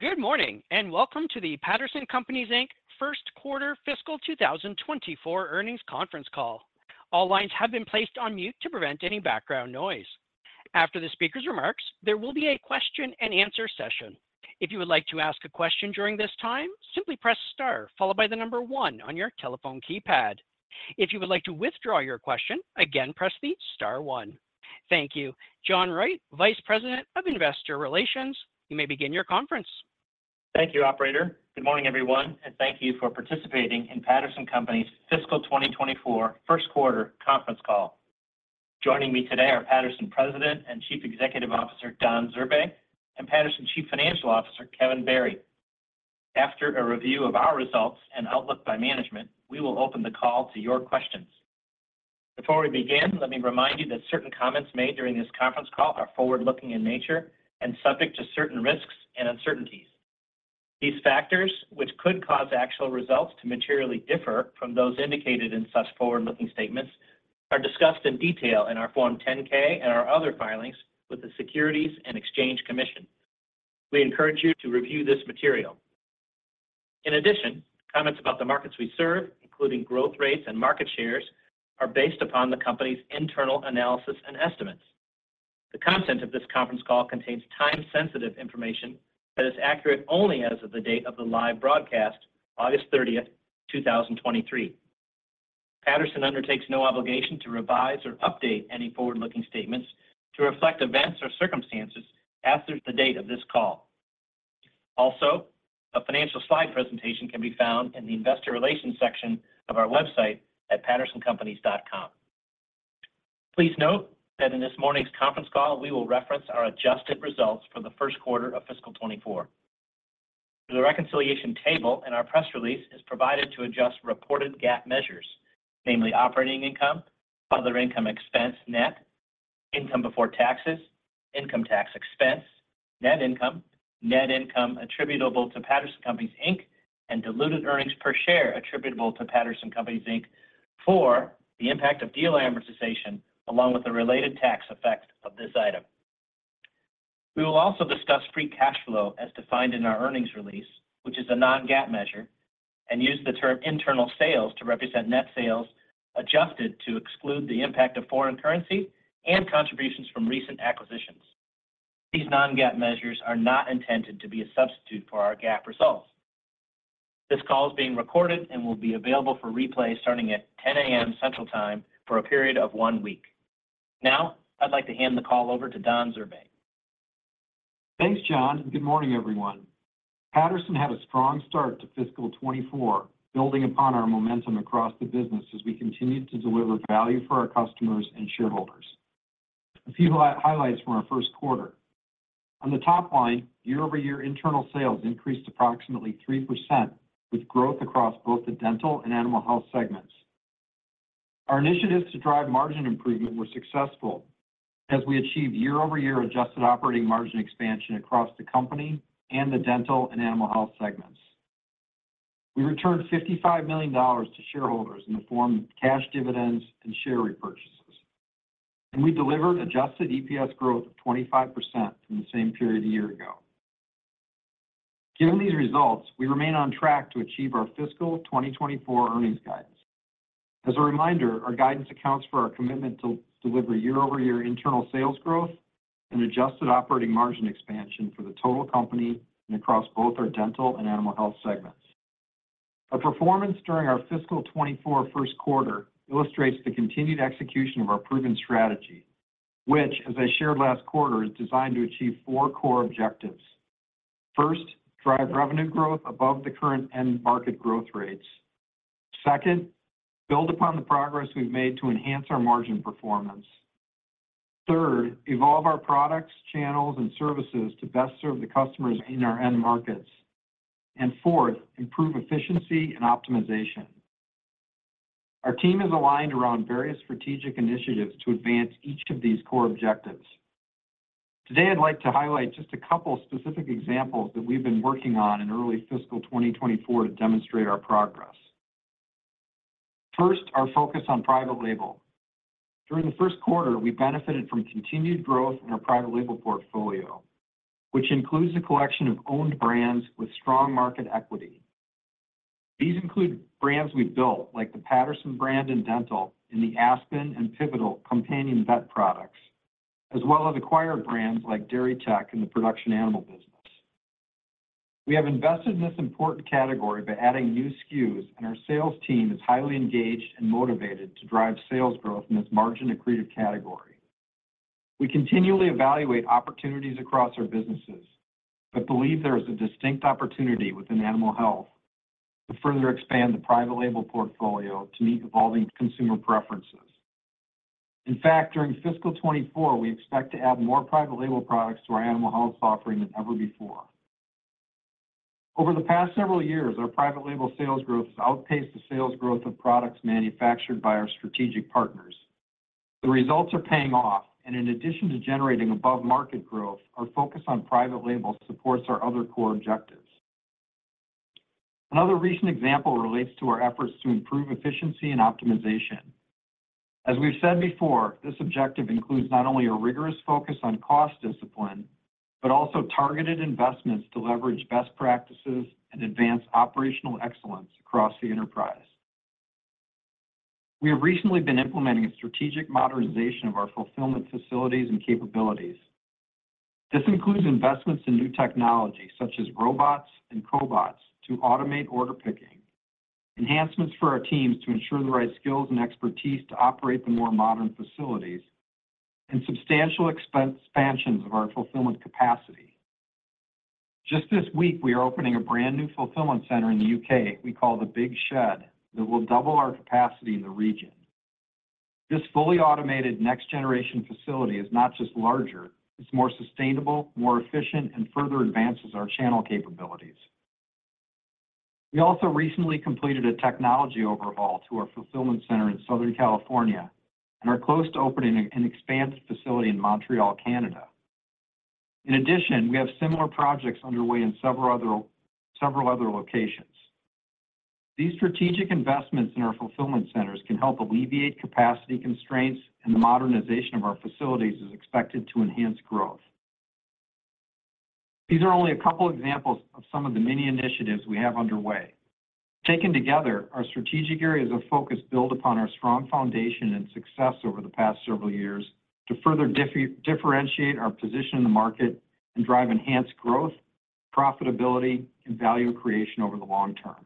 Good morning, and welcome to the Patterson Companies, Inc. First Quarter Fiscal 2024 Earnings Conference Call. All lines have been placed on mute to prevent any background noise. After the speaker's remarks, there will be a question and answer session. If you would like to ask a question during this time, simply press star followed by the number one on your telephone keypad. If you would like to withdraw your question, again, press the star one. Thank you. John Wright, Vice President of Investor Relations, you may begin your conference. Thank you, operator. Good morning, everyone, and thank you for participating in Patterson Companies Fiscal 2024 first quarter conference call. Joining me today are Patterson President and Chief Executive Officer, Don Zurbay, and Patterson Chief Financial Officer, Kevin Barry. After a review of our results and outlook by management, we will open the call to your questions. Before we begin, let me remind you that certain comments made during this conference call are forward-looking in nature and subject to certain risks and uncertainties. These factors, which could cause actual results to materially differ from those indicated in such forward-looking statements, are discussed in detail in our Form 10-K and our other filings with the Securities and Exchange Commission. We encourage you to review this material. In addition, comments about the markets we serve, including growth rates and market shares, are based upon the company's internal analysis and estimates. The content of this conference call contains time-sensitive information that is accurate only as of the date of the live broadcast, August 30th, 2023. Patterson undertakes no obligation to revise or update any forward-looking statements to reflect events or circumstances after the date of this call. Also, a financial slide presentation can be found in the Investor Relations section of our website at pattersoncompanies.com. Please note that in this morning's conference call, we will reference our adjusted results for the first quarter of fiscal 2024. The reconciliation table in our press release is provided to adjust reported GAAP measures, namely operating income, other income expense net, income before taxes, income tax expense, net income, net income attributable to Patterson Companies Inc, and diluted earnings per share attributable to Patterson Companies Inc for the impact of deal amortization, along with the related tax effect of this item. We will also discuss free cash flow as defined in our earnings release, which is a non-GAAP measure, and use the term internal sales to represent net sales, adjusted to exclude the impact of foreign currency and contributions from recent acquisitions. These non-GAAP measures are not intended to be a substitute for our GAAP results. This call is being recorded and will be available for replay starting at 10:00 A.M. Central Time for a period of one week. Now, I'd like to hand the call over to Don Zurbay. Thanks, John, and good morning, everyone. Patterson had a strong start to fiscal 2024, building upon our momentum across the business as we continued to deliver value for our customers and shareholders. A few highlights from our first quarter. On the top line, year-over-year internal sales increased approximately 3%, with growth across both the Dental and Animal Health segments. Our initiatives to drive margin improvement were successful, as we achieved year-over-year adjusted operating margin expansion across the company and the Dental and Animal Health segments. We returned $55 million to shareholders in the form of cash dividends and share repurchases, and we delivered adjusted EPS growth of 25% from the same period a year ago. Given these results, we remain on track to achieve our fiscal 2024 earnings guidance. As a reminder, our guidance accounts for our commitment to deliver year-over-year internal sales growth and adjusted operating margin expansion for the total company and across both our Dental and Animal Health segments. Our performance during our fiscal 2024 first quarter illustrates the continued execution of our proven strategy, which, as I shared last quarter, is designed to achieve four core objectives. First, drive revenue growth above the current end market growth rates. Second, build upon the progress we've made to enhance our margin performance. Third, evolve our products, channels, and services to best serve the customers in our end markets. And fourth, improve efficiency and optimization. Our team is aligned around various strategic initiatives to advance each of these core objectives. Today, I'd like to highlight just a couple of specific examples that we've been working on in early fiscal 2024 to demonstrate our progress. First, our focus on private label. During the first quarter, we benefited from continued growth in our private label portfolio, which includes a collection of owned brands with strong market equity. These include brands we've built, like the Patterson brand in Dental, and the Aspen and Pivotal companion vet products, as well as acquired brands like Dairy Tech in the production animal business. We have invested in this important category by adding new SKUs, and our sales team is highly engaged and motivated to drive sales growth in this margin-accretive category. We continually evaluate opportunities across our businesses, but believe there is a distinct opportunity within Animal Health to further expand the private label portfolio to meet evolving consumer preferences. In fact, during fiscal 2024, we expect to add more private label products to our Animal Health offering than ever before. Over the past several years, our private label sales growth has outpaced the sales growth of products manufactured by our strategic partners. The results are paying off, and in addition to generating above-market growth, our focus on private label supports our other core objectives… Another recent example relates to our efforts to improve efficiency and optimization. As we've said before, this objective includes not only a rigorous focus on cost discipline, but also targeted investments to leverage best practices and advance operational excellence across the enterprise. We have recently been implementing a strategic modernization of our fulfillment facilities and capabilities. This includes investments in new technology, such as robots and cobots, to automate order picking, enhancements for our teams to ensure the right skills and expertise to operate the more modern facilities, and substantial expense expansions of our fulfillment capacity. Just this week, we are opening a brand new fulfillment center in the U.K., we call the Big Shed, that will double our capacity in the region. This fully automated next generation facility is not just larger, it's more sustainable, more efficient, and further advances our channel capabilities. We also recently completed a technology overhaul to our fulfillment center in Southern California, and are close to opening an expanded facility in Montreal, Canada. In addition, we have similar projects underway in several other locations. These strategic investments in our fulfillment centers can help alleviate capacity constraints, and the modernization of our facilities is expected to enhance growth. These are only a couple examples of some of the many initiatives we have underway. Taken together, our strategic areas of focus build upon our strong foundation and success over the past several years to further differentiate our position in the market and drive enhanced growth, profitability, and value creation over the long term.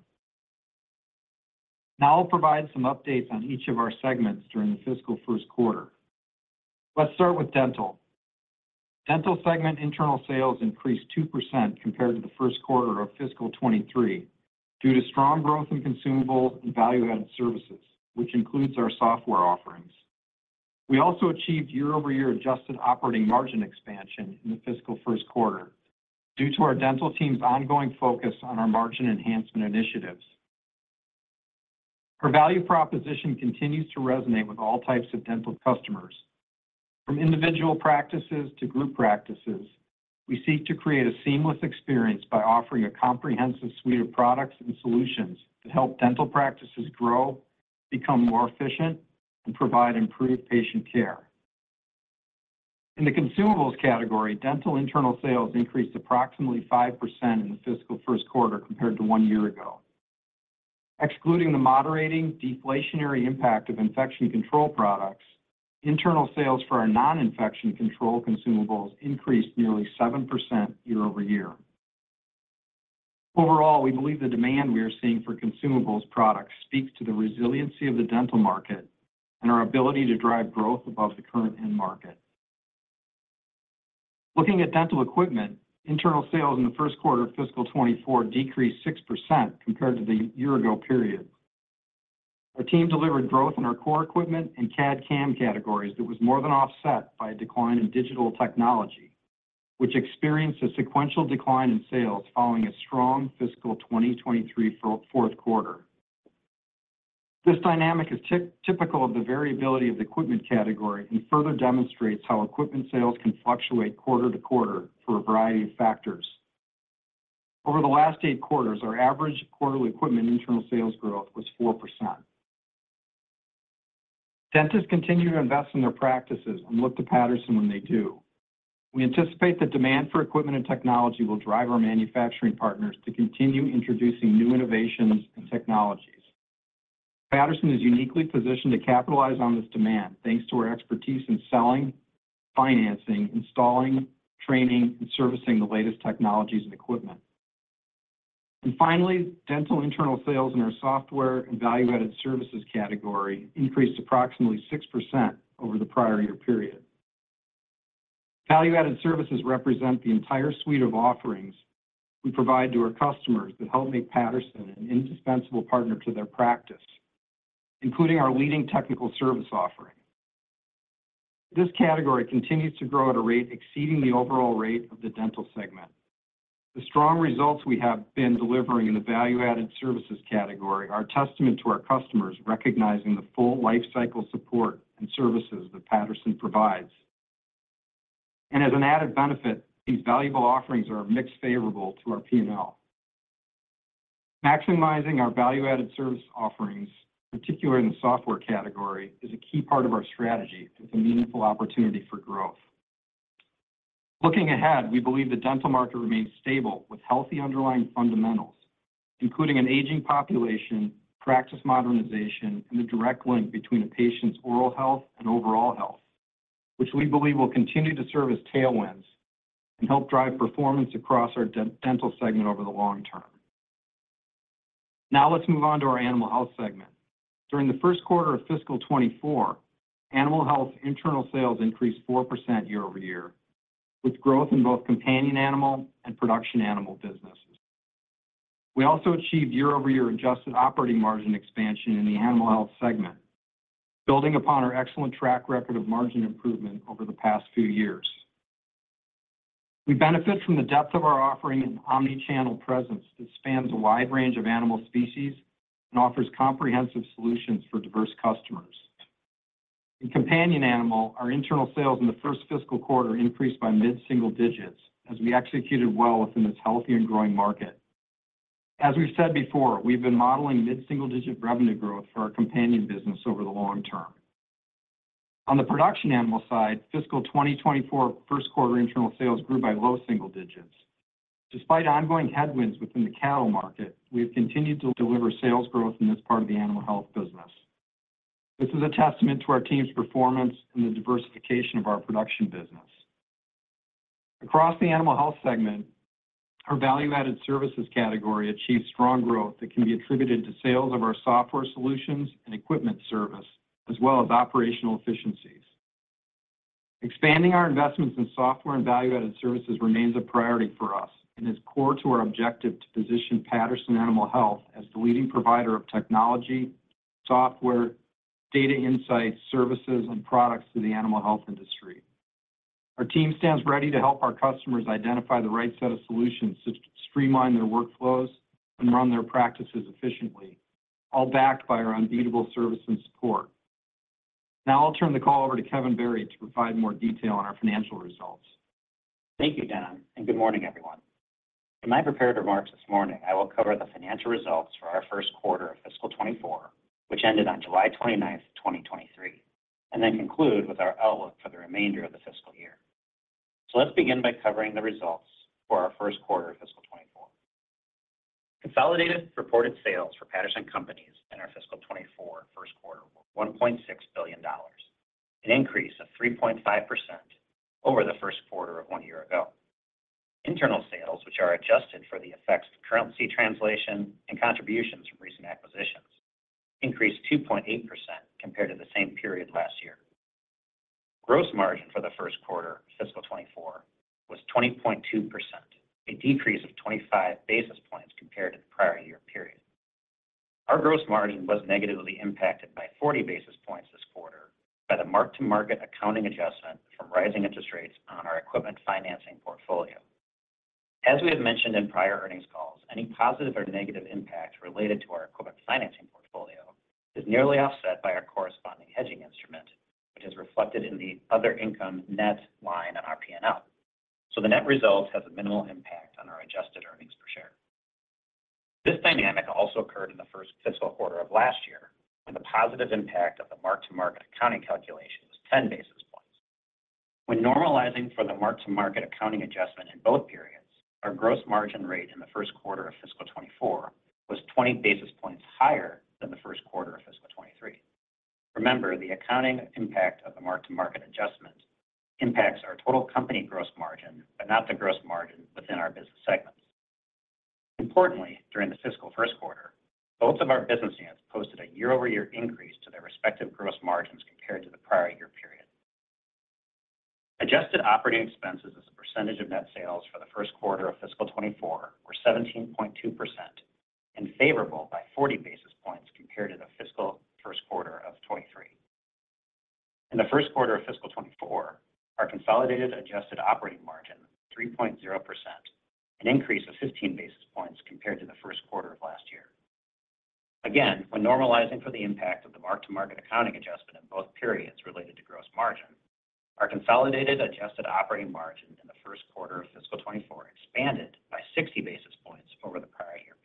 Now I'll provide some updates on each of our segments during the fiscal first quarter. Let's start with dental. Dental segment internal sales increased 2% compared to the first quarter of fiscal 2023, due to strong growth in consumables and value-added services, which includes our software offerings. We also achieved year-over-year adjusted operating margin expansion in the fiscal first quarter, due to our Dental team's ongoing focus on our margin enhancement initiatives. Our value proposition continues to resonate with all types of Dental customers. From individual practices to group practices, we seek to create a seamless experience by offering a comprehensive suite of products and solutions to help dental practices grow, become more efficient, and provide improved patient care. In the consumables category, Dental internal sales increased approximately 5% in the fiscal first quarter compared to one year ago. Excluding the moderating deflationary impact of infection control products, internal sales for our non-infection control consumables increased nearly 7% year-over-year. Overall, we believe the demand we are seeing for consumables products speaks to the resiliency of the dental market and our ability to drive growth above the current end market. Looking at dental equipment, internal sales in the first quarter of fiscal 2024 decreased 6% compared to the year-ago period. Our team delivered growth in our core equipment and CAD/CAM categories that was more than offset by a decline in digital technology, which experienced a sequential decline in sales following a strong fiscal 2023 fourth quarter. This dynamic is typical of the variability of the equipment category and further demonstrates how equipment sales can fluctuate quarter to quarter for a variety of factors. Over the last eight quarters, our average quarterly equipment internal sales growth was 4%. Dentists continue to invest in their practices and look to Patterson when they do. We anticipate that demand for equipment and technology will drive our manufacturing partners to continue introducing new innovations and technologies. Patterson is uniquely positioned to capitalize on this demand, thanks to our expertise in selling, financing, installing, training, and servicing the latest technologies and equipment. Finally, Dental internal sales in our software and value-added services category increased approximately 6% over the prior year period. Value-added services represent the entire suite of offerings we provide to our customers that help make Patterson an indispensable partner to their practice, including our leading technical service offering. This category continues to grow at a rate exceeding the overall rate of the Dental segment. The strong results we have been delivering in the value-added services category are a testament to our customers recognizing the full lifecycle support and services that Patterson provides. As an added benefit, these valuable offerings are mix favorable to our P&L. Maximizing our value-added service offerings, particularly in the software category, is a key part of our strategy. It's a meaningful opportunity for growth. Looking ahead, we believe the dental market remains stable, with healthy underlying fundamentals, including an aging population, practice modernization, and the direct link between a patient's oral health and overall health, which we believe will continue to serve as tailwinds and help drive performance across our Dental segment over the long term. Now let's move on to our Animal Health segment. During the first quarter of fiscal 2024, Animal Health internal sales increased 4% year-over-year, with growth in both companion animal and production animal businesses. We also achieved year-over-year adjusted operating margin expansion in the Animal Health segment, building upon our excellent track record of margin improvement over the past few years. We benefit from the depth of our offering and omnichannel presence that spans a wide range of animal species and offers comprehensive solutions for diverse customers.... In companion animal, our internal sales in the first fiscal quarter increased by mid-single digits as we executed well within this healthy and growing market. As we've said before, we've been modeling mid-single-digit revenue growth for our companion business over the long term. On the production animal side, fiscal 2024 first quarter internal sales grew by low single digits. Despite ongoing headwinds within the cattle market, we have continued to deliver sales growth in this part of the Animal Health business. This is a testament to our team's performance and the diversification of our production business. Across the Animal Health segment, our value-added services category achieved strong growth that can be attributed to sales of our software solutions and equipment service, as well as operational efficiencies. Expanding our investments in software and value-added services remains a priority for us and is core to our objective to position Patterson Animal Health as the leading provider of technology, software, data insights, services, and products to the animal health industry. Our team stands ready to help our customers identify the right set of solutions to streamline their workflows and run their practices efficiently, all backed by our unbeatable service and support. Now I'll turn the call over to Kevin Barry to provide more detail on our financial results. Thank you, Don, and good morning, everyone. In my prepared remarks this morning, I will cover the financial results for our first quarter of fiscal 2024, which ended on July 29th, 2023, and then conclude with our outlook for the remainder of the fiscal year. Let's begin by covering the results for our first quarter of fiscal 2024. Consolidated reported sales for Patterson Companies in our fiscal 2024 first quarter were $1.6 billion, an increase of 3.5% over the first quarter of one year ago. Internal sales, which are adjusted for the effects of currency translation and contributions from recent acquisitions, increased 2.8% compared to the same period last year. Gross margin for the first quarter, fiscal 2024, was 20.2%, a decrease of 25 basis points compared to the prior year period. Our gross margin was negatively impacted by 40 basis points this quarter by the mark-to-market accounting adjustment from rising interest rates on our equipment financing portfolio. As we have mentioned in prior earnings calls, any positive or negative impact related to our equipment financing portfolio is nearly offset by our corresponding hedging instrument, which is reflected in the other income net line on our P&L. So the net result has a minimal impact on our adjusted earnings per share. This dynamic also occurred in the first fiscal quarter of last year, when the positive impact of the mark-to-market accounting calculation was 10 basis points. When normalizing for the mark-to-market accounting adjustment in both periods, our gross margin rate in the first quarter of fiscal 2024 was 20 basis points higher than the first quarter of fiscal 2023. Remember, the accounting impact of the mark-to-market adjustment impacts our total company gross margin, but not the gross margin within our business segments. Importantly, during the fiscal first quarter, both of our business units posted a year-over-year increase to their respective gross margins compared to the prior year period. Adjusted operating expenses as a percentage of net sales for the first quarter of fiscal 2024 were 17.2% and favorable by 40 basis points compared to the fiscal first quarter of 2023. In the first quarter of fiscal 2024, our consolidated adjusted operating margin, 3.0%, an increase of 15 basis points compared to the first quarter of last year. Again, when normalizing for the impact of the mark-to-market accounting adjustment in both periods related to gross margin, our consolidated adjusted operating margin in the first quarter of fiscal 2024 expanded by 60 basis points over the prior year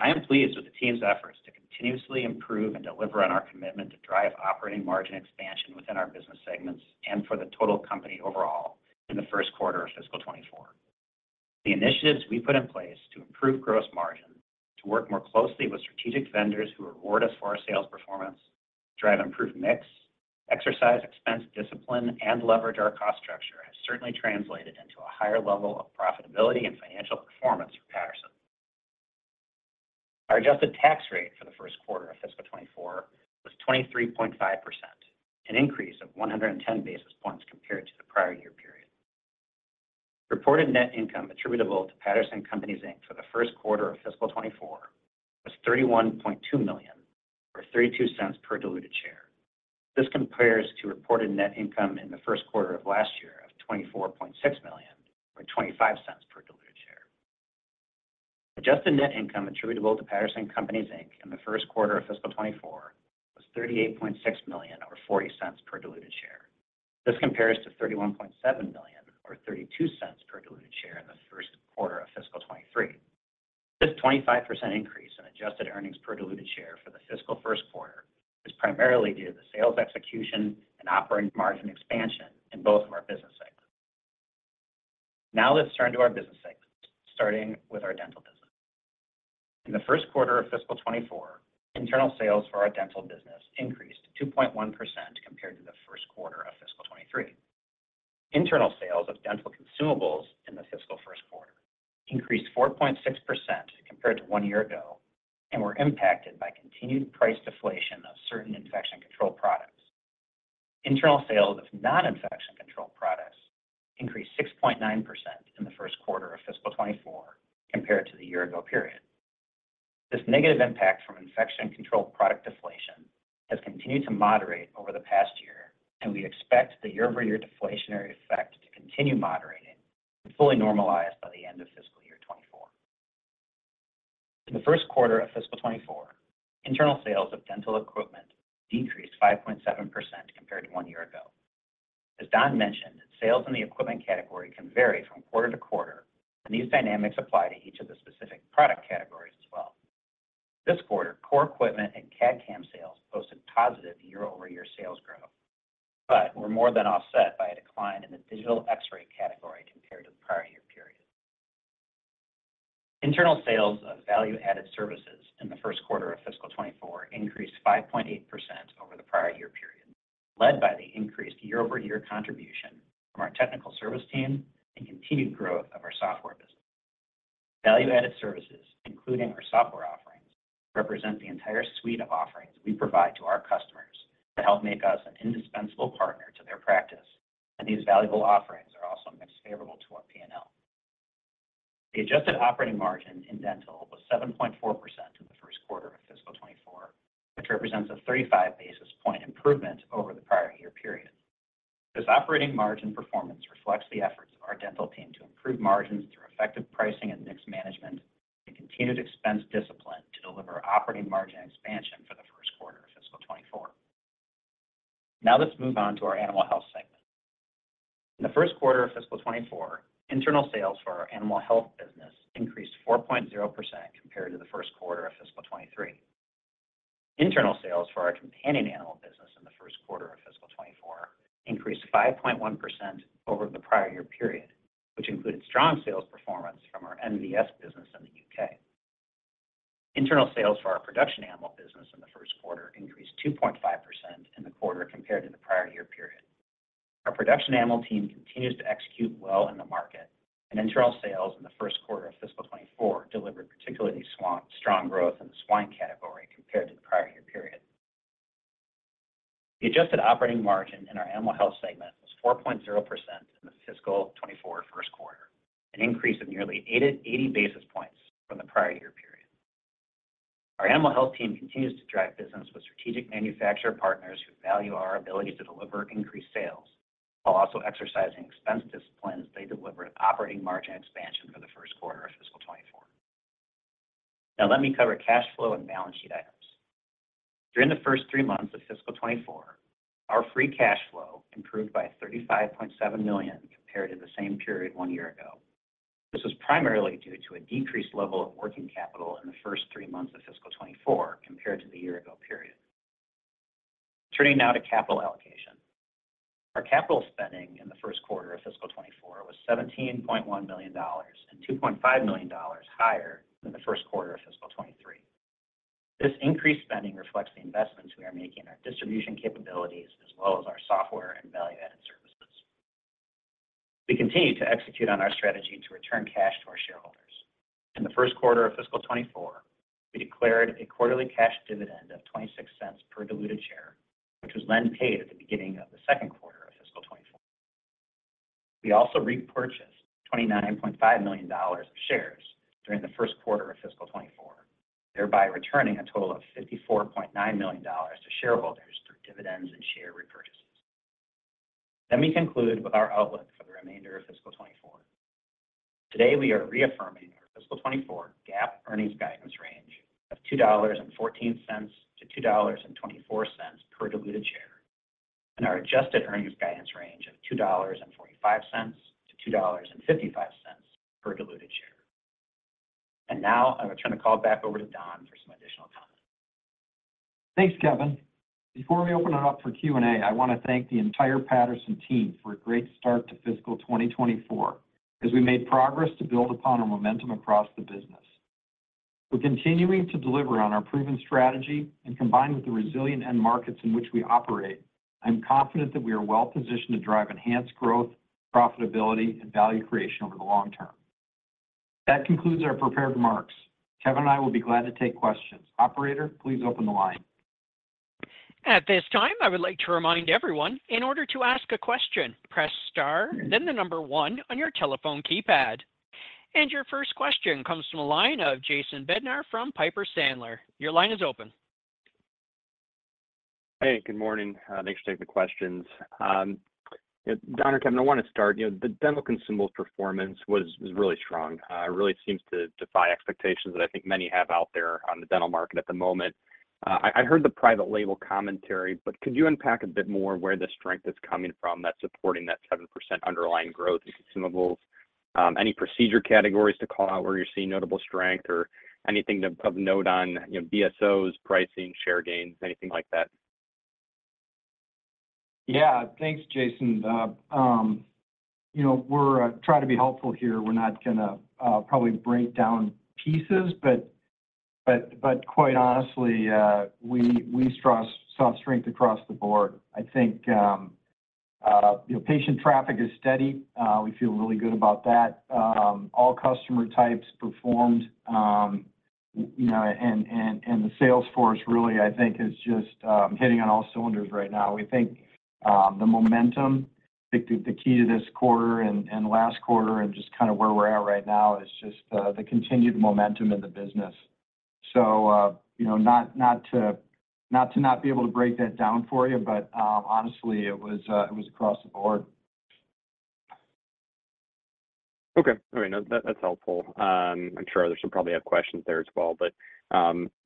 period. I am pleased with the team's efforts to continuously improve and deliver on our commitment to drive operating margin expansion within our business segments and for the total company overall in the first quarter of fiscal 2024. The initiatives we put in place to improve gross margin, to work more closely with strategic vendors who reward us for our sales performance, drive improved mix, exercise expense discipline, and leverage our cost structure, has certainly translated into a higher level of profitability and financial performance for Patterson. Our adjusted tax rate for the first quarter of fiscal 2024 was 23.5%, an increase of 110 basis points compared to the prior year period. Reported net income attributable to Patterson Companies, Inc. for the first quarter of fiscal 2024 was $31.2 million or $0.32 per diluted share. This compares to reported net income in the first quarter of last year of $24.6 million or $0.25 per diluted share. Adjusted net income attributable to Patterson Companies, Inc. in the first quarter of fiscal 2024 was $38.6 million or $0.40 per diluted share. This compares to $31.7 million or $0.32 per diluted share in the first quarter of fiscal 2023. This 25% increase in adjusted earnings per diluted share for the fiscal first quarter is primarily due to the sales execution and operating margin expansion in both of our business segments. Now, let's turn to our business segments, starting with our Dental business. In the first quarter of fiscal 2024, internal sales for our Dental business increased 2.1% compared to the first quarter of fiscal 2023. Internal sales of Dental consumables in the fiscal first quarter increased 4.6% compared to one year ago and were impacted by continued price deflation of certain infection control products. Internal sales of non-infection control products increased 6.9% in the first quarter of fiscal 2024 compared to the year ago period. This negative impact from infection control product deflation has continued to moderate over the past year, and we expect the year-over-year deflationary effect to continue moderating and fully normalized by the end of fiscal year. In the first quarter of fiscal 2024, internal sales of Dental equipment decreased 5.7% compared to one year ago. As Don mentioned, sales in the equipment category can vary from quarter to quarter, and these dynamics apply to each of the specific product categories as well. This quarter, core equipment and CAD/CAM sales posted positive year-over-year sales growth, but were more than offset by a decline in the digital X-ray category compared to the prior year period. Internal sales of value-added services in the first quarter of fiscal 2024 increased 5.8% over the prior year period, led by the increased year-over-year contribution from our technical service team and continued growth of our software business. Value-added services, including our software offerings, represent the entire suite of offerings we provide to our customers to help make us an indispensable partner to their practice, and these valuable offerings are also mixed favorable to our P&L. The adjusted operating margin in Dental was 7.4% in the first quarter of fiscal 2024, which represents a 35 basis point improvement over the prior year period. This operating margin performance reflects the efforts of our Dental team to improve margins through effective pricing and mix management, and continued expense discipline to deliver operating margin expansion for the first quarter of fiscal 2024. Now, let's move on to our Animal Health segment. In the first quarter of fiscal 2024, internal sales for our Animal Health business increased 4.0% compared to the first quarter of fiscal 2023. Internal sales for our companion animal business in the first quarter of fiscal 2024 increased 5.1% over the prior year period, which included strong sales performance from our NVS business in the U.K. Internal sales for our production animal business in the first quarter increased 2.5% in the quarter compared to the prior year period. Our production animal team continues to execute well in the market, and internal sales in the first quarter of fiscal 2024 delivered particularly strong growth in the swine category compared to the prior year period. The adjusted operating margin in our Animal Health segment was 4.0% in the fiscal 2024 first quarter, an increase of nearly 80 basis points from the prior year period. Our Animal Health team continues to drive business with strategic manufacturer partners who value our ability to deliver increased sales, while also exercising expense discipline as they deliver an operating margin expansion for the first quarter of fiscal 2024. Now, let me cover cash flow and balance sheet items. During the first three months of fiscal 2024, our free cash flow improved by $35.7 million compared to the same period one year ago. This was primarily due to a decreased level of working capital in the first three months of fiscal 2024 compared to the year-ago period. Turning now to capital allocation. Our capital spending in the first quarter of fiscal 2024 was $17.1 million and $2.5 million higher than the first quarter of fiscal 2023. This increased spending reflects the investments we are making in our distribution capabilities, as well as our software and value-added services. We continue to execute on our strategy to return cash to our shareholders. In the first quarter of fiscal 2024, we declared a quarterly cash dividend of $0.26 per diluted share, which was then paid at the beginning of the second quarter of fiscal 2024. We also repurchased $29.5 million of shares during the first quarter of fiscal 2024, thereby returning a total of $54.9 million to shareholders through dividends and share repurchases. Let me conclude with our outlook for the remainder of fiscal 2024. Today, we are reaffirming our fiscal 2024 GAAP earnings guidance range of $2.14-$2.24 per diluted share, and our adjusted earnings guidance range of $2.45-$2.55 per diluted share. Now, I will turn the call back over to Don for some additional comments. Thanks, Kevin. Before we open it up for Q&A, I want to thank the entire Patterson team for a great start to fiscal 2024, as we made progress to build upon our momentum across the business. We're continuing to deliver on our proven strategy and combined with the resilient end markets in which we operate, I'm confident that we are well positioned to drive enhanced growth, profitability, and value creation over the long term. That concludes our prepared remarks. Kevin and I will be glad to take questions. Operator, please open the line. At this time, I would like to remind everyone, in order to ask a question, press star, then the number one on your telephone keypad. Your first question comes from the line of Jason Bednar from Piper Sandler. Your line is open. Hey, good morning. Thanks for taking the questions. Don or Kevin, I want to start, you know, the Dental Consumables performance was, was really strong. It really seems to defy expectations that I think many have out there on the dental market at the moment. I heard the private label commentary, but could you unpack a bit more where the strength is coming from that's supporting that 7% underlying growth in consumables? Any procedure categories to call out where you're seeing notable strength or anything to note on, you know, DSOs, pricing, share gains, anything like that? Yeah. Thanks, Jason. You know, we're trying to be helpful here. We're not gonna probably break down pieces, but quite honestly, we saw strength across the board. I think, you know, patient traffic is steady. We feel really good about that. All customer types performed, you know, and the sales force really, I think is just hitting on all cylinders right now. We think the momentum, the key to this quarter and last quarter, and just kind of where we're at right now, is just the continued momentum in the business. So, you know, not to be able to break that down for you, but honestly, it was across the board.... Okay. All right, no, that, that's helpful. I'm sure others will probably have questions there as well, but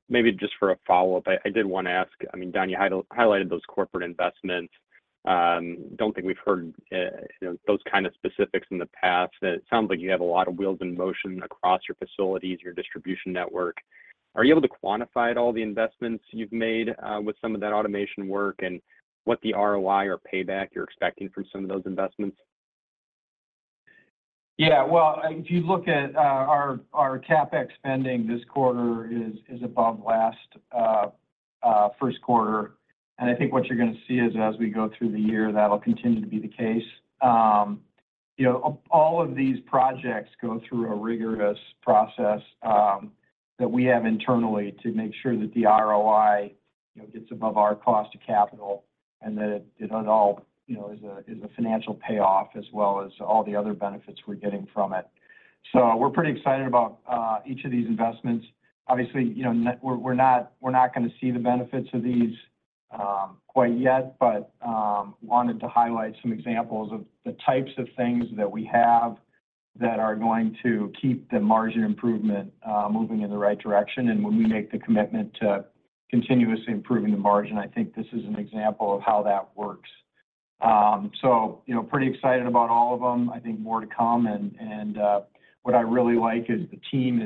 maybe just for a follow-up, I did want to ask. I mean, Don, you highlighted those corporate investments. Don't think we've heard, you know, those kind of specifics in the past. And it sounds like you have a lot of wheels in motion across your facilities, your distribution network. Are you able to quantify at all the investments you've made with some of that automation work, and what the ROI or payback you're expecting from some of those investments? Yeah, well, if you look at our CapEx spending this quarter is above last first quarter. And I think what you're gonna see is as we go through the year, that'll continue to be the case. You know, all of these projects go through a rigorous process that we have internally to make sure that the ROI, you know, gets above our cost of capital, and that it all, you know, is a financial payoff as well as all the other benefits we're getting from it. So we're pretty excited about each of these investments. Obviously, you know, we're not gonna see the benefits of these quite yet, but wanted to highlight some examples of the types of things that we have that are going to keep the margin improvement moving in the right direction. When we make the commitment to continuously improving the margin, I think this is an example of how that works. So, you know, pretty excited about all of them. I think more to come, and what I really like is the team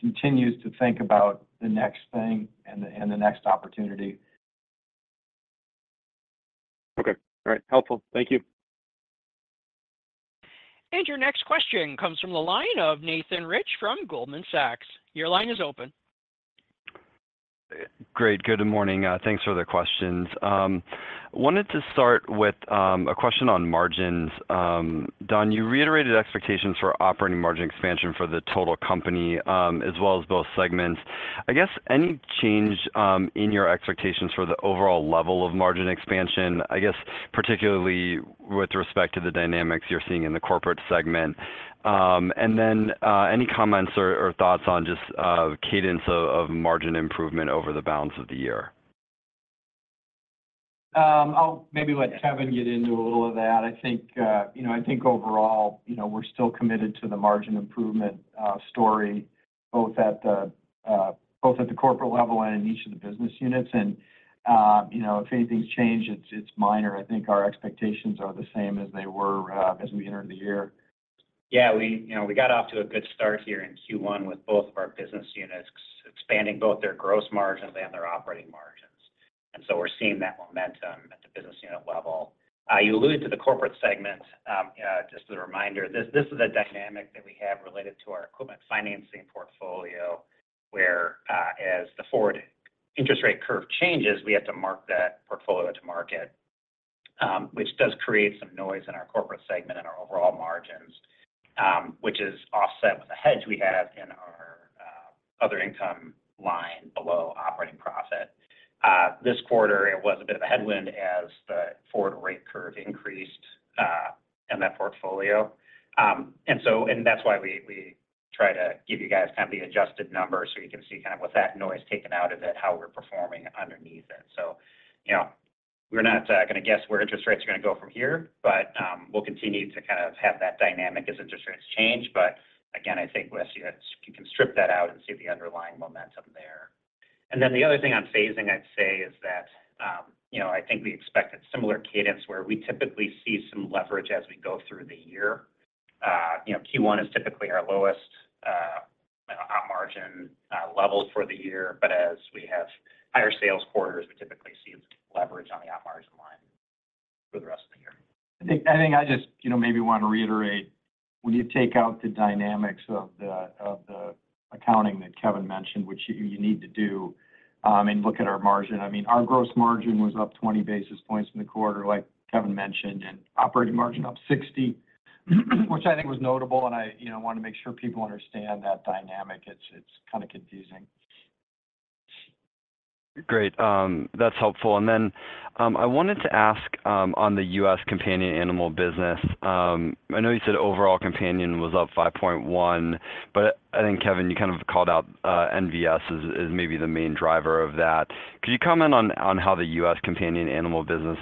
continues to think about the next thing and the next opportunity. Okay. All right. Helpful. Thank you. Your next question comes from the line of Nathan Rich from Goldman Sachs. Your line is open. Great, good morning. Thanks for the questions. Wanted to start with a question on margins. Don, you reiterated expectations for operating margin expansion for the total company, as well as both segments. I guess any change in your expectations for the overall level of margin expansion, I guess, particularly with respect to the dynamics you're seeing in the corporate segment? And then, any comments or thoughts on just cadence of margin improvement over the balance of the year? I'll maybe let Kevin get into a little of that. I think, you know, I think overall, you know, we're still committed to the margin improvement story, both at the corporate level and in each of the business units. And, you know, if anything's changed, it's minor. I think our expectations are the same as they were, as we entered the year. Yeah, we, you know, we got off to a good start here in Q1 with both of our business units expanding both their gross margins and their operating margins. And so we're seeing that momentum at the business unit level. You alluded to the corporate segment. Just as a reminder, this, this is a dynamic that we have related to our equipment financing portfolio, where, as the forward interest rate curve changes, we have to mark that portfolio to market, which does create some noise in our corporate segment and our overall margins, which is offset with the hedge we have in our, other income line below operating profit. This quarter, it was a bit of a headwind as the forward rate curve increased, in that portfolio. and that's why we try to give you guys kind of the adjusted numbers, so you can see kind of with that noise taken out of it, how we're performing underneath it. So, you know, we're not gonna guess where interest rates are gonna go from here, but, we'll continue to kind of have that dynamic as interest rates change. But again, I think with you, you can strip that out and see the underlying momentum there. And then the other thing on phasing, I'd say, is that, you know, I think we expected similar cadence where we typically see some leverage as we go through the year. You know, Q1 is typically our lowest op margin level for the year. As we have higher sales quarters, we typically see leverage on the op margin line for the rest of the year. I think, I think I just, you know, maybe want to reiterate, when you take out the dynamics of the, of the accounting that Kevin mentioned, which you, you need to do, and look at our margin. I mean, our gross margin was up 20 basis points in the quarter, like Kevin mentioned, and operating margin up 60, which I think was notable, and I, you know, want to make sure people understand that dynamic. It's, it's kind of confusing. Great, that's helpful. And then, I wanted to ask on the U.S. companion animal business. I know you said overall companion was up 5.1, but I think, Kevin, you kind of called out NVS as maybe the main driver of that. Could you comment on how the U.S. companion animal business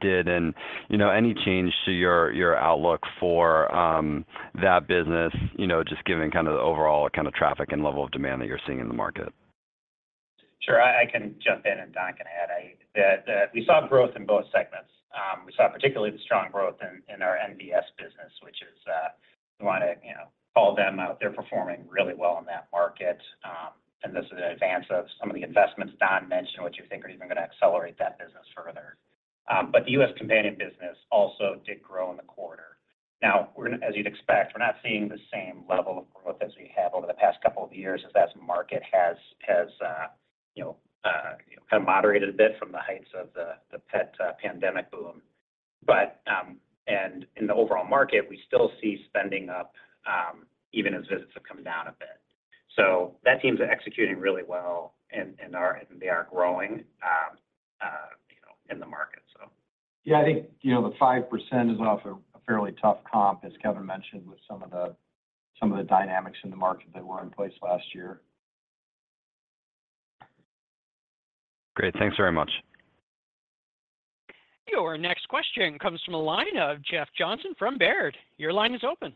did? And, you know, any change to your outlook for that business, you know, just given kind of the overall kind of traffic and level of demand that you're seeing in the market? Sure, I can jump in and Don can add. That we saw growth in both segments. We saw particularly the strong growth in our NVS business, which is, we want to, you know, call them out. They're performing really well in that market, and this is in advance of some of the investments Don mentioned, which we think are even gonna accelerate that business further. But the U.S. companion business also did grow in the quarter. Now, we're, as you'd expect, we're not seeing the same level of growth as we have over the past couple of years as that market has, you know, kind of moderated a bit from the heights of the pet pandemic boom. But in the overall market, we still see spending up, even as visits have come down a bit. So that team's executing really well and they are growing, you know, in the market, so. Yeah, I think, you know, the 5% is off a fairly tough comp, as Kevin mentioned, with some of the, some of the dynamics in the market that were in place last year. ... Great, thanks very much. Your next question comes from the line of Jeff Johnson from Baird. Your line is open.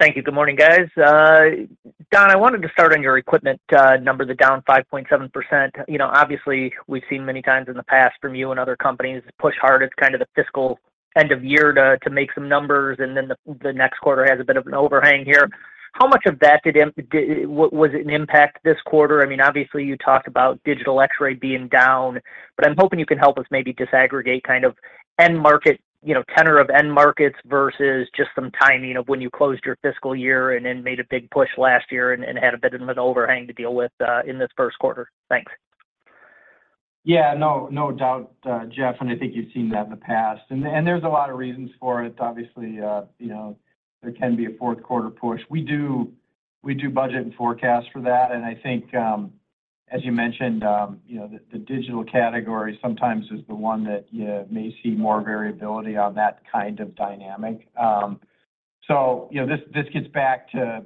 Thank you. Good morning, guys. Don, I wanted to start on your equipment numbers are down 5.7%. You know, obviously, we've seen many times in the past from you and other companies push hard. It's kind of the fiscal end of year to make some numbers, and then the next quarter has a bit of an overhang here. How much of that was it an impact this quarter? I mean, obviously, you talked about digital X-ray being down, but I'm hoping you can help us maybe disaggregate kind of end market, you know, tenor of end markets versus just some timing of when you closed your fiscal year and then made a big push last year and had a bit of an overhang to deal with in this first quarter. Thanks. Yeah, no, no doubt, Jeff, and I think you've seen that in the past. And there's a lot of reasons for it. Obviously, you know, there can be a fourth quarter push. We do budget and forecast for that, and I think, as you mentioned, you know, the digital category sometimes is the one that you may see more variability on that kind of dynamic. So, you know, this gets back to,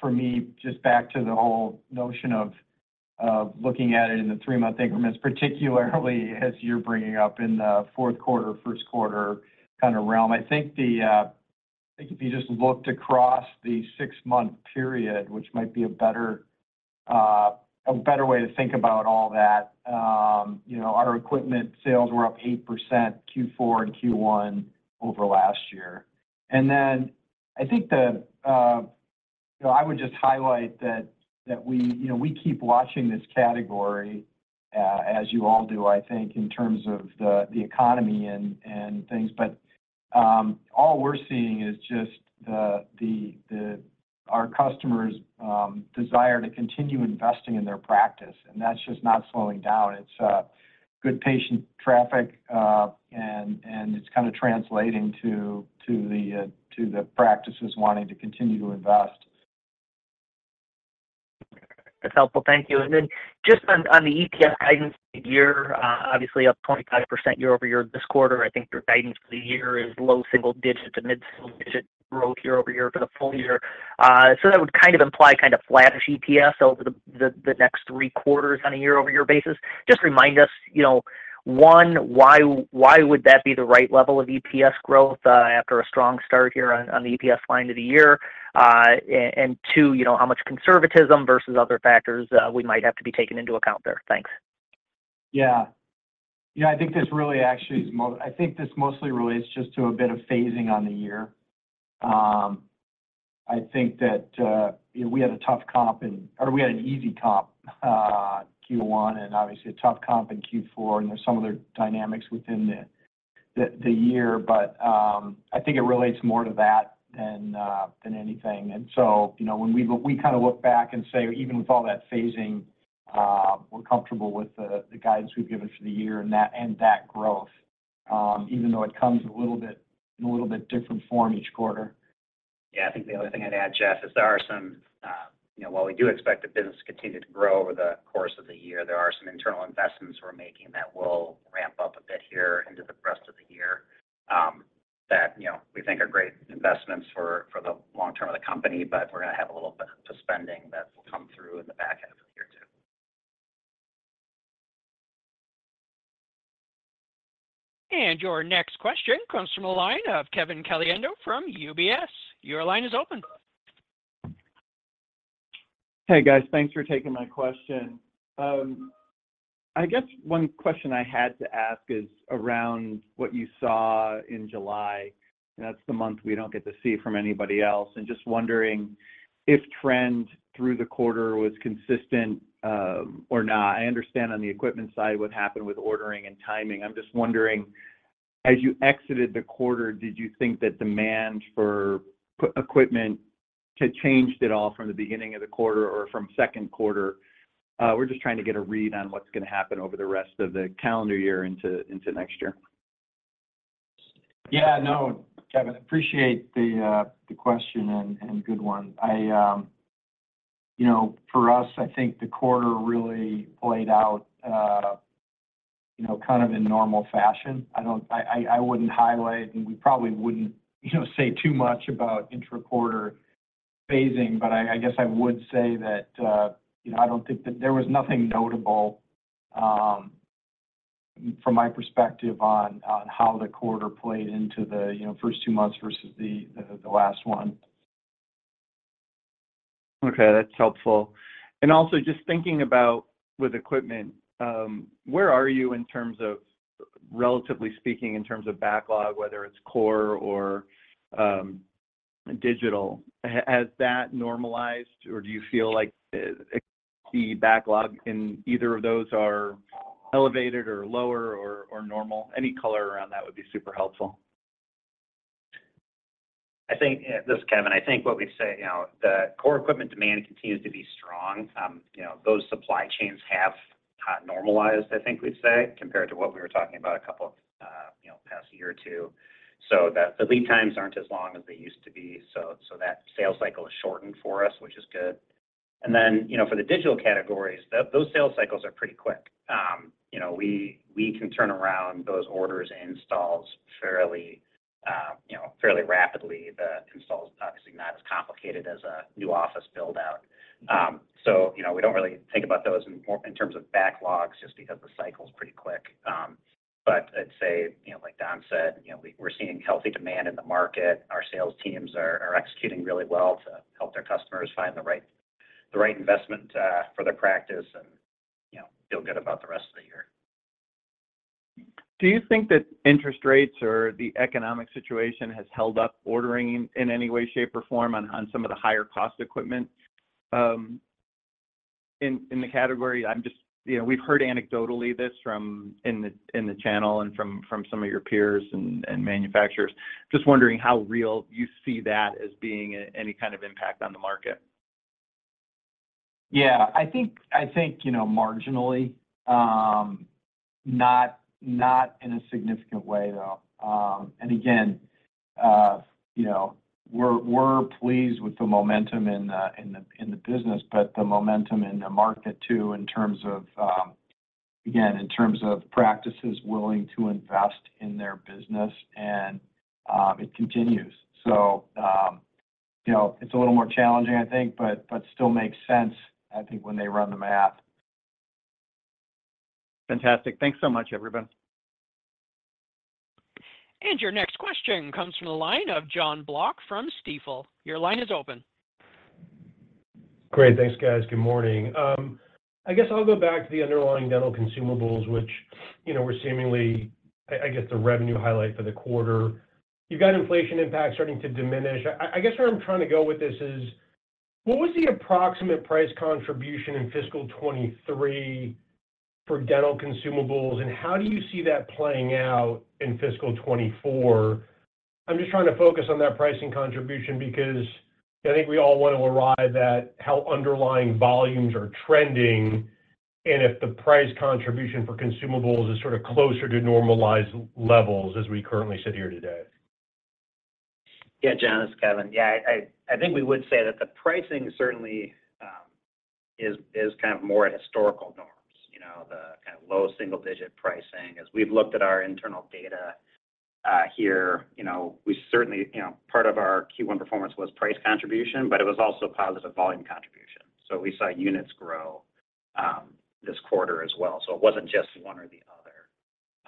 for me, just back to the whole notion of looking at it in the three-month increments, particularly as you're bringing up in the fourth quarter, first quarter kind of realm. I think the... I think if you just looked across the six-month period, which might be a better way to think about all that, you know, our equipment sales were up 8% Q4 and Q1 over last year. And then I think, you know, I would just highlight that we, you know, we keep watching this category, as you all do, I think, in terms of the economy and things. But all we're seeing is just our customers' desire to continue investing in their practice, and that's just not slowing down. It's good patient traffic, and it's kind of translating to the practices wanting to continue to invest. That's helpful. Thank you. Then just on the EPS guidance for the year, obviously up 25% year-over-year this quarter. I think your guidance for the year is low single digits to mid-single-digit growth year-over-year for the full year. So that would kind of imply kind of flattish EPS over the next three quarters on a year-over-year basis. Just remind us, you know, one, why would that be the right level of EPS growth after a strong start here on the EPS line of the year? And two, you know, how much conservatism versus other factors we might have to be taken into account there? Thanks. Yeah. Yeah, I think this really actually is - I think this mostly relates just to a bit of phasing on the year. I think that, we had a tough comp in - or we had an easy comp, Q1 and obviously a tough comp in Q4, and there's some other dynamics within the year, but, I think it relates more to that than anything. And so, you know, when we kind of look back and say, even with all that phasing, we're comfortable with the guidance we've given for the year and that growth, even though it comes a little bit in a little bit different form each quarter. Yeah, I think the only thing I'd add, Jeff, is there are some, you know, while we do expect the business to continue to grow over the course of the year, there are some internal investments we're making that will ramp up a bit here into the rest of the year, that, you know, we think are great investments for, for the long term of the company. But we're going to have a little bit of spending that will come through in the back half of the year, too. And your next question comes from a line of Kevin Caliendo from UBS. Your line is open. Hey, guys. Thanks for taking my question. I guess one question I had to ask is around what you saw in July. That's the month we don't get to see from anybody else, and just wondering if trend through the quarter was consistent, or not. I understand on the equipment side, what happened with ordering and timing. I'm just wondering, as you exited the quarter, did you think that demand for the equipment, too, changed at all from the beginning of the quarter or from second quarter? We're just trying to get a read on what's going to happen over the rest of the calendar year into, into next year. Yeah. No, Kevin, appreciate the question and good one. I, you know, for us, I think the quarter really played out, you know, kind of in normal fashion. I wouldn't highlight, and we probably wouldn't, you know, say too much about intraquarter phasing. But I guess I would say that, you know, I don't think that there was nothing notable, from my perspective on how the quarter played into the, you know, first two months versus the last one. Okay, that's helpful. And also just thinking about with equipment, where are you in terms of, relatively speaking, in terms of backlog, whether it's core or, digital? Has that normalized, or do you feel like, the backlog in either of those are elevated, or lower, or normal? Any color around that would be super helpful. I think, this is Kevin. I think what we'd say, you know, the core equipment demand continues to be strong. You know, those supply chains have normalized, I think we'd say, compared to what we were talking about a couple of, you know, past year or two. So that the lead times aren't as long as they used to be, so that sales cycle is shortened for us, which is good. And then, you know, for the digital categories, those sales cycles are pretty quick.... you know, we can turn around those orders and installs fairly, you know, fairly rapidly. The install is obviously not as complicated as a new office build-out. So, you know, we don't really think about those in more, in terms of backlogs, just because the cycle is pretty quick. But I'd say, you know, like Don said, you know, we're seeing healthy demand in the market. Our sales teams are executing really well to help their customers find the right investment for their practice and, you know, feel good about the rest of the year. Do you think that interest rates or the economic situation has held up ordering in any way, shape, or form on some of the higher cost equipment? In the category, I'm just—you know, we've heard anecdotally this from the channel and from some of your peers and manufacturers. Just wondering how real you see that as being any kind of impact on the market. Yeah, I think, you know, marginally, not in a significant way, though. And again, you know, we're pleased with the momentum in the business, but the momentum in the market, too, in terms of, again, in terms of practices willing to invest in their business, and it continues. So, you know, it's a little more challenging, I think, but still makes sense, I think, when they run the math. Fantastic. Thanks so much, everyone. Your next question comes from the line of Jon Block from Stifel. Your line is open. Great. Thanks, guys. Good morning. I guess I'll go back to the underlying Dental Consumables, which, you know, were seemingly, I guess, the revenue highlight for the quarter. You've got inflation impact starting to diminish. I guess where I'm trying to go with this is, what was the approximate price contribution in fiscal 2023 for Dental Consumables, and how do you see that playing out in fiscal 2024? I'm just trying to focus on that pricing contribution because I think we all want to arrive at how underlying volumes are trending, and if the price contribution for consumables is sort of closer to normalized levels as we currently sit here today. Yeah, Jon, it's Kevin. Yeah, I think we would say that the pricing certainly is kind of more at historical norms, you know, the kind of low single-digit pricing. As we've looked at our internal data, here, you know, we certainly, you know, part of our Q1 performance was price contribution, but it was also positive volume contribution. So we saw units grow, this quarter as well. So it wasn't just one or the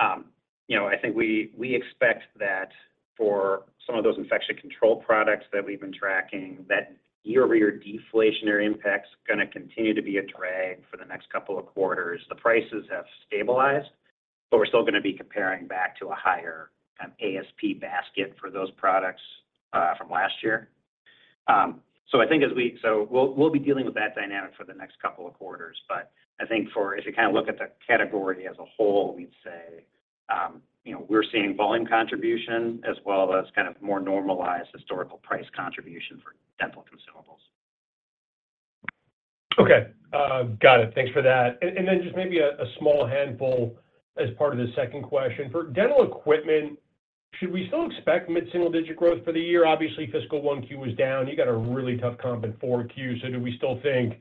other. You know, I think we expect that for some of those infection control products that we've been tracking, that year-over-year deflationary impact's going to continue to be a drag for the next couple of quarters. The prices have stabilized, but we're still going to be comparing back to a higher ASP basket for those products from last year. So we'll be dealing with that dynamic for the next couple of quarters. But I think if you kind of look at the category as a whole, we'd say, you know, we're seeing volume contribution as well as kind of more normalized historical price contribution for Dental Consumables. Okay. Got it. Thanks for that. And then just maybe a small handful as part of the second question: for Dental equipment, should we still expect mid-single-digit growth for the year? Obviously, fiscal 1Q was down. You got a really tough comp in 4Q, so do we still think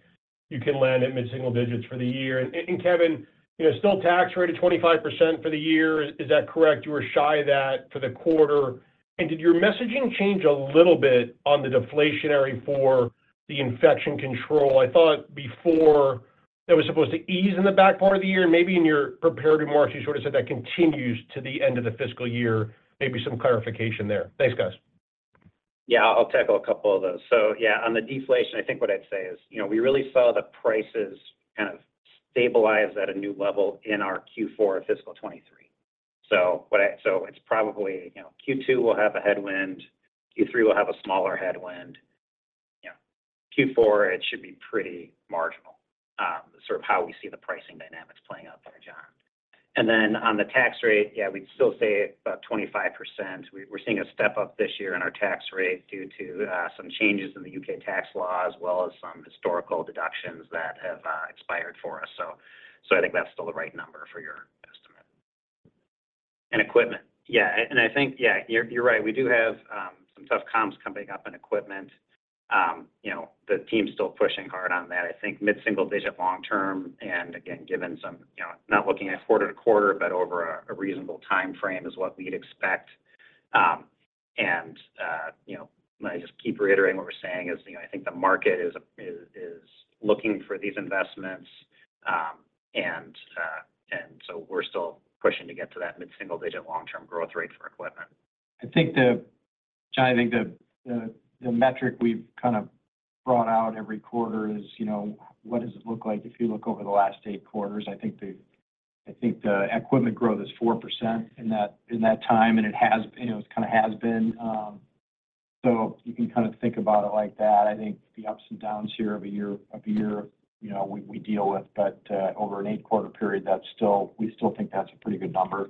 you can land at mid-single digits for the year? And, Kevin, you know, still tax rate of 25% for the year, is that correct? You were shy of that for the quarter. And did your messaging change a little bit on the deflationary for the infection control? I thought before that was supposed to ease in the back part of the year, and maybe in your prepared remarks, you sort of said that continues to the end of the fiscal year. Maybe some clarification there. Thanks, guys. Yeah, I'll tackle a couple of those. So yeah, on the deflation, I think what I'd say is, you know, we really saw the prices kind of stabilize at a new level in our Q4 fiscal 2023. So it's probably, you know, Q2 will have a headwind, Q3 will have a smaller headwind. You know, Q4, it should be pretty marginal, sort of how we see the pricing dynamics playing out there, Jon. And then on the tax rate, yeah, we'd still say about 25%. We're seeing a step up this year in our tax rate due to some changes in the U.K. tax law, as well as some historical deductions that have expired for us. So I think that's still the right number for your estimate. And equipment. Yeah, and I think, yeah, you're right. We do have some tough comps coming up in equipment. You know, the team's still pushing hard on that. I think mid-single-digit long-term, and again, given some, you know, not looking at quarter to quarter, but over a reasonable time frame is what we'd expect. And you know, and I just keep reiterating what we're saying is, you know, I think the market is looking for these investments. And so we're still pushing to get to that mid-single-digit long-term growth rate for equipment. Jon, I think the metric we've kind of brought out every quarter is, you know, what does it look like if you look over the last eight quarters? I think the equipment growth is 4% in that time, and it has, you know, it kind of has been. So you can kind of think about it like that. I think the ups and downs here of a year, of a year, you know, we deal with, but over an eight-quarter period, that's still, we still think that's a pretty good number.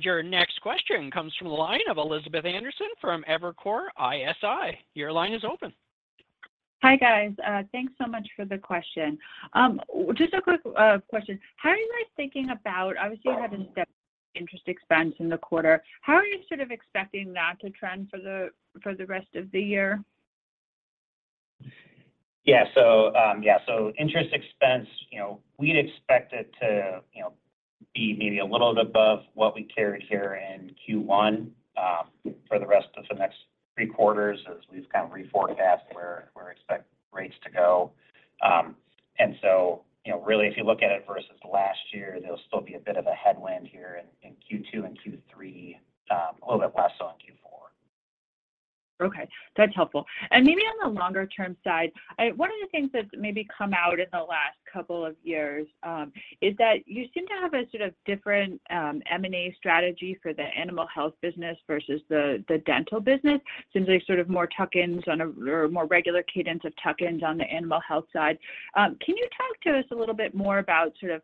Your next question comes from the line of Elizabeth Anderson from Evercore ISI. Your line is open. Hi, guys. Thanks so much for the question. Just a quick question. How are you guys thinking about-- obviously, you had a step-... interest expense in the quarter. How are you sort of expecting that to trend for the rest of the year? Yeah. So, yeah, so interest expense, you know, we'd expect it to, you know, be maybe a little above what we carried here in Q1, for the rest of the next three quarters, as we've kind of reforecast where expect rates to go. And so, you know, really, if you look at it versus last year, there'll still be a bit of a headwind here in Q2 and Q3, a little bit less so in Q4. Okay, that's helpful. And maybe on the longer term side, one of the things that's maybe come out in the last couple of years, is that you seem to have a sort of different, M&A strategy for the Animal Health business versus the Dental business. Seems like sort of more tuck-ins or a more regular cadence of tuck-ins on the Animal Health side. Can you talk to us a little bit more about sort of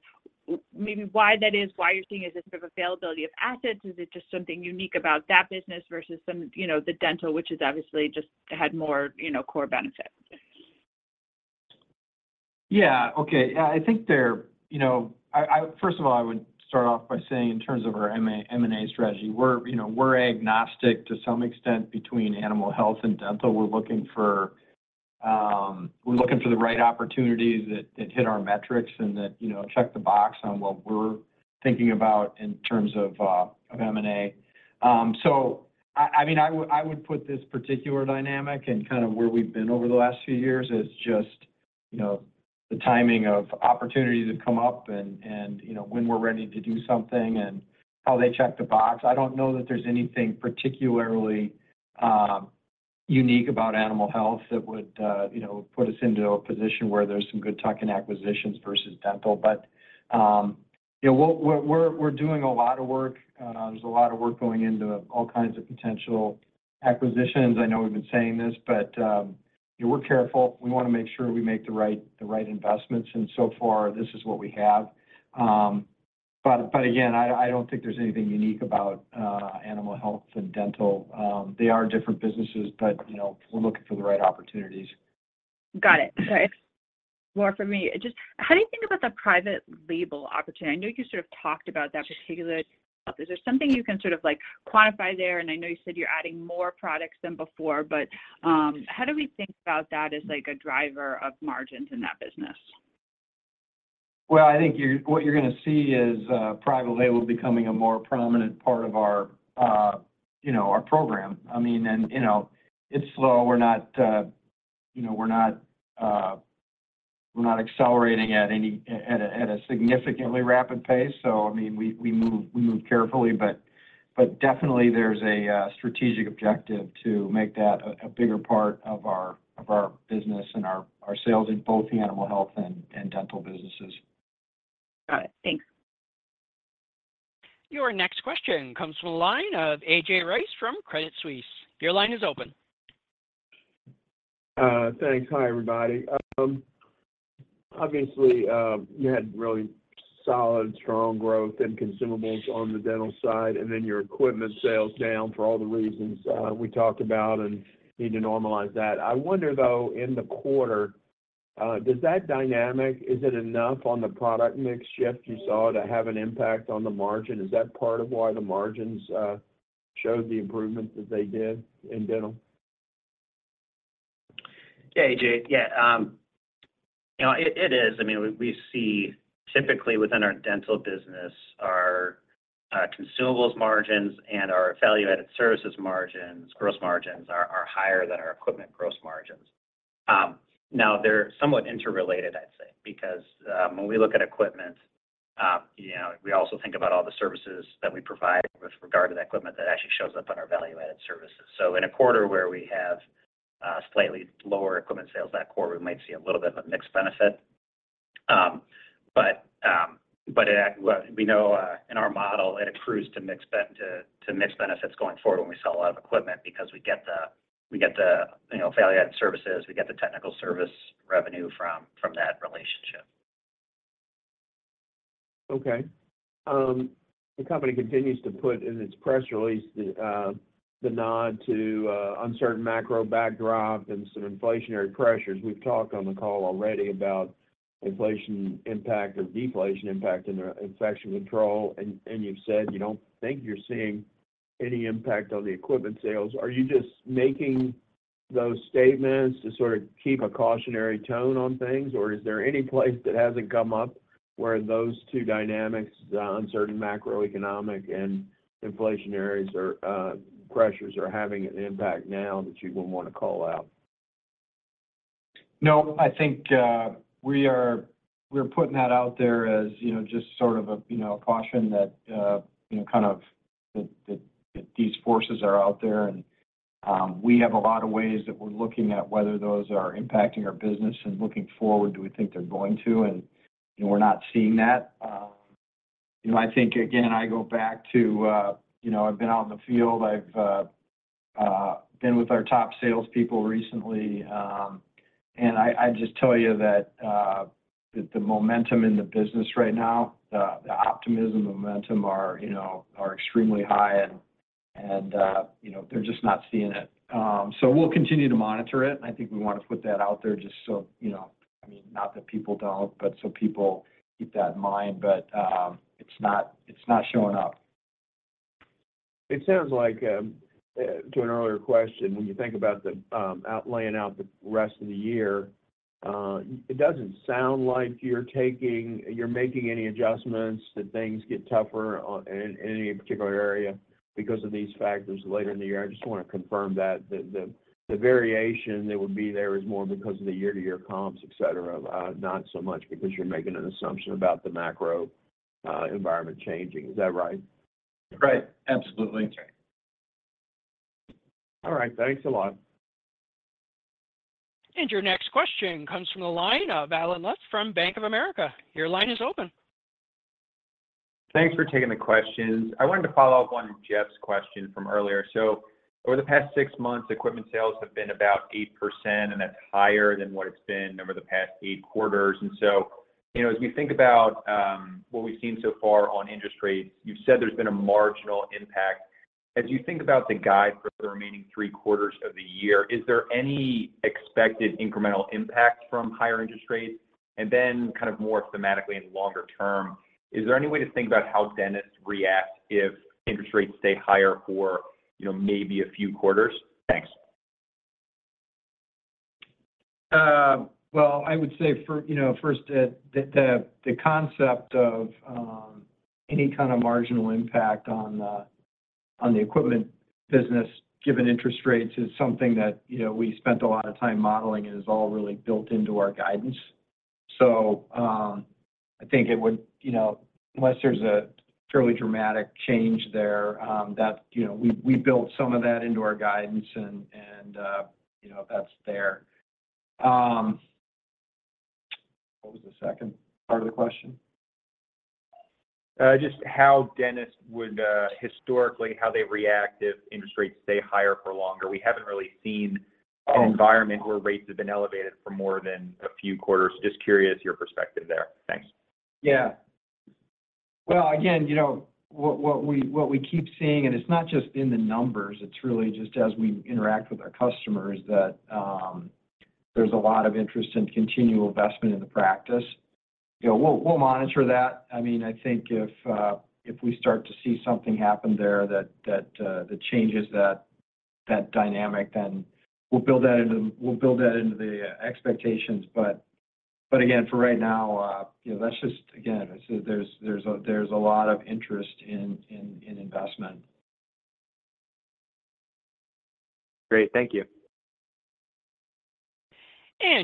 maybe why that is, why you're seeing this sort of availability of assets? Is it just something unique about that business versus some, you know, the Dental, which is obviously just had more, you know, core benefits? Yeah, okay. Yeah, I think there, you know. I first of all would start off by saying in terms of our M&A, M&A strategy, we're, you know, we're agnostic to some extent between Animal Health and Dental. We're looking for, we're looking for the right opportunities that hit our metrics and that, you know, check the box on what we're thinking about in terms of of M&A. So I mean, I would put this particular dynamic and kind of where we've been over the last few years as just, you know, the timing of opportunities that come up and, you know, when we're ready to do something and how they check the box. I don't know that there's anything particularly unique about Animal Health that would, you know, put us into a position where there's some good tuck-in acquisitions versus Dental. But yeah, we're doing a lot of work. There's a lot of work going into all kinds of potential acquisitions. I know we've been saying this, but yeah, we're careful. We want to make sure we make the right investments, and so far, this is what we have. But again, I don't think there's anything unique about Animal Health and Dental. They are different businesses, but, you know, we're looking for the right opportunities. Got it. Thanks. More from me. Just how do you think about the private label opportunity? I know you sort of talked about that particular... Is there something you can sort of like quantify there? And I know you said you're adding more products than before, but, how do we think about that as like a driver of margins in that business? Well, I think what you're going to see is private label becoming a more prominent part of our, you know, our program. I mean, you know, it's slow. We're not, you know, accelerating at a significantly rapid pace. So, I mean, we move carefully. But definitely there's a strategic objective to make that a bigger part of our business and our sales in both the Animal Health and Dental businesses. Got it. Thanks. Your next question comes from the line of AJ Rice from Credit Suisse. Your line is open. Thanks. Hi, everybody. Obviously, you had really solid, strong growth in consumables on the Dental side, and then your equipment sales down for all the reasons we talked about and need to normalize that. I wonder, though, in the quarter, does that dynamic, is it enough on the product mix shift you saw to have an impact on the margin? Is that part of why the margins showed the improvement that they did in Dental? Yeah, AJ. Yeah, you know, it is. I mean, we see typically within our Dental business, our consumables margins and our value-added services margins, gross margins are higher than our equipment gross margins. Now they're somewhat interrelated, I'd say, because when we look at equipment, you know, we also think about all the services that we provide with regard to that equipment that actually shows up on our value-added services. So in a quarter where we have slightly lower equipment sales that quarter, we might see a little bit of a mixed benefit. Well, we know, in our model, it accrues to mixed benefits going forward when we sell a lot of equipment because we get the value-added services, you know, we get the technical service revenue from that relationship. Okay. The company continues to put in its press release the nod to uncertain macro backdrop and some inflationary pressures. We've talked on the call already about inflation impact or deflation impact in the infection control, and you've said you don't think you're seeing any impact on the equipment sales. Are you just making those statements to sort of keep a cautionary tone on things, or is there any place that hasn't come up where those two dynamics, the uncertain macroeconomic and inflationary pressures, are having an impact now that you would want to call out? No, I think, we are putting that out there as, you know, just sort of a, you know, a caution that, you know, kind of, that these forces are out there. And, we have a lot of ways that we're looking at whether those are impacting our business and looking forward, do we think they're going to? And, you know, we're not seeing that. You know, I think again, I go back to, you know, I've been out in the field. I've been with our top salespeople recently, and I just tell you that, the momentum in the business right now, the optimism momentum are, you know, are extremely high and, you know, they're just not seeing it. So we'll continue to monitor it, and I think we want to put that out there just so, you know, I mean, not that people don't, but so people keep that in mind. But, it's not, it's not showing up. It sounds like, to an earlier question, when you think about the, laying out the rest of the year, it doesn't sound like you're making any adjustments that things get tougher on, in any particular area because of these factors later in the year. I just want to confirm that the variation that would be there is more because of the year-to-year comps, et cetera, not so much because you're making an assumption about the macro environment changing. Is that right? Right. Absolutely. All right. Thanks a lot. Your next question comes from the line of Allen Lutz from Bank of America. Your line is open. Thanks for taking the questions. I wanted to follow up on Jeff's question from earlier. So for the past six months, equipment sales have been about 8%, and that's higher than what it's been over the past 8 quarters. And so, you know, as we think about, what we've seen so far on interest rates, you've said there's been a marginal impact. As you think about the guide for the remaining 3 quarters of the year, is there any expected incremental impact from higher interest rates? And then kind of more thematically and longer term, is there any way to think about how dentists react if interest rates stay higher for, you know, maybe a few quarters? Thanks. Well, I would say for, you know, first, the concept of any kind of marginal impact on the equipment business, given interest rates, is something that, you know, we spent a lot of time modeling and is all really built into our guidance. So, I think it would, you know, unless there's a fairly dramatic change there, that, you know, we built some of that into our guidance and, you know, that's there. What was the second part of the question? Just how dentists would historically, how they react if interest rates stay higher for longer. We haven't really seen- Oh. An environment where rates have been elevated for more than a few quarters. Just curious your perspective there. Thanks. Yeah. Well, again, you know, what we keep seeing, and it's not just in the numbers, it's really just as we interact with our customers, that there's a lot of interest in continual investment in the practice. You know, we'll monitor that. I mean, I think if we start to see something happen there that changes that dynamic, then we'll build that into the expectations. But again, for right now, you know, let's just, again, there's a lot of interest in investment. Great. Thank you.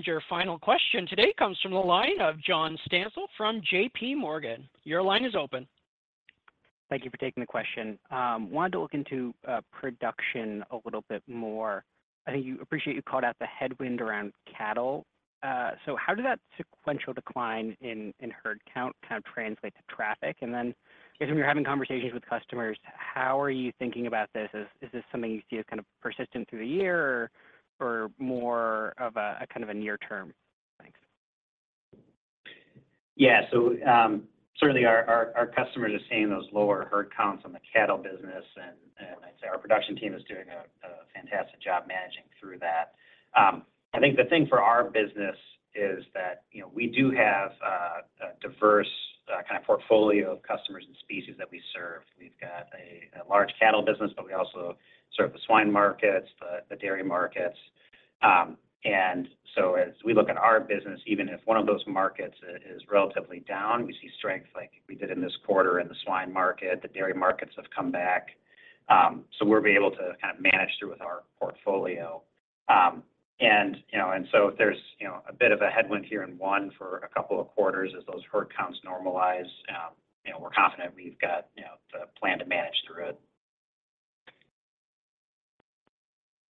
Your final question today comes from the line of John Stansel from JPMorgan. Your line is open. Thank you for taking the question. Wanted to look into production a little bit more. I think you appreciate you called out the headwind around cattle. So how did that sequential decline in herd count kind of translate to traffic? And then as you're having conversations with customers, how are you thinking about this? Is this something you see as kind of persistent through the year or more of a kind of a near term? Thanks. Yeah. So, certainly our customers are seeing those lower herd counts on the cattle business, and I'd say our production team is doing a fantastic job managing through that. I think the thing for our business is that, you know, we do have a diverse kind of portfolio of customers and species that we serve. We've got a large cattle business, but we also serve the swine markets, the dairy markets. And so as we look at our business, even if one of those markets is relatively down, we see strength like we did in this quarter in the swine market. The dairy markets have come back. So we'll be able to kind of manage through with our portfolio. you know, and so if there's, you know, a bit of a headwind here in one for a couple of quarters as those herd counts normalize, you know, we're confident we've got, you know, the plan to manage through it.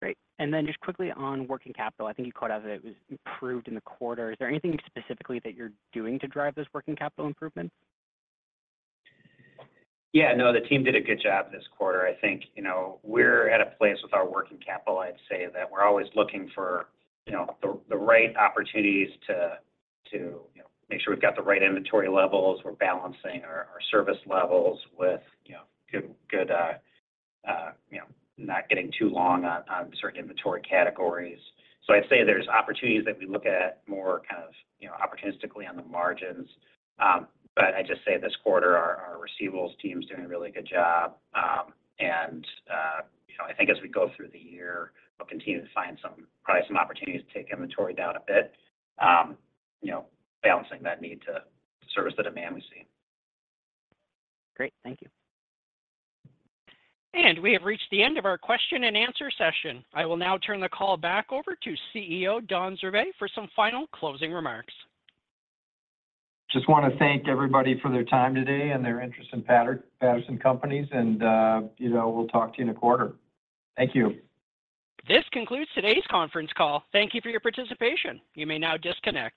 Great. And then just quickly on working capital, I think you called out that it was improved in the quarter. Is there anything specifically that you're doing to drive this working capital improvement? Yeah. No, the team did a good job this quarter. I think, you know, we're at a place with our working capital, I'd say, that we're always looking for, you know, the right opportunities to, you know, make sure we've got the right inventory levels. We're balancing our service levels with, you know, good, you know, not getting too long on certain inventory categories. So I'd say there's opportunities that we look at more kind of, you know, opportunistically on the margins. But I just say this quarter, our receivables team is doing a really good job. And, you know, I think as we go through the year, we'll continue to find some, probably some opportunities to take inventory down a bit. You know, balancing that need to service the demand we've seen. Great. Thank you. We have reached the end of our question and answer session. I will now turn the call back over to CEO Don Zurbay for some final closing remarks. Just want to thank everybody for their time today and their interest in Patterson Companies, and you know, we'll talk to you in a quarter. Thank you. This concludes today's conference call. Thank you for your participation. You may now disconnect.